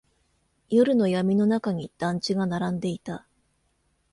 夜の闇の中に団地が並んでいた。